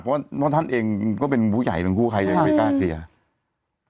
เพราะท่านเองก็เป็นผู้ใหญ่ทั้งคู่ใครยังไม่กล้าเคลียร์